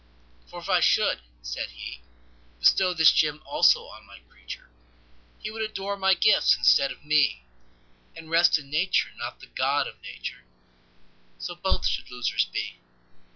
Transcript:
For if I should (said He)Bestow this jewel also on My creature, He would adore My gifts instead of Me, And rest in Nature, not the God of Nature:So both should losers be.